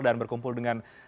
dan berkumpul dengan teman teman